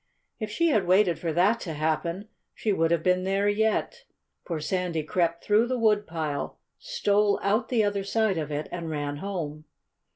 If she had waited for that to happen she would have been there yet. For Sandy crept through the woodpile, stole out the other side of it, and ran home.